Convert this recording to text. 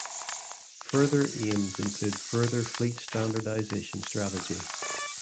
Further aims include further fleet standardisation strategy.